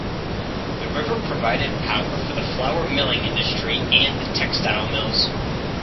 The river provided power for the flour milling industry and the textile mills.